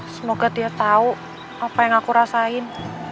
semoga dia tahu apa yang aku rasain